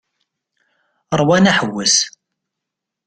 Rwan aḥewwes.